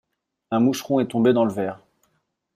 Un moucheron est tombé dans le verre.